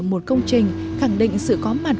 một công trình khẳng định sự có mặt